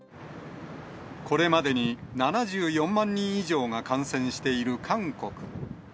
これまでに７４万人以上が感染している韓国。